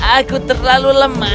aku terlalu lemah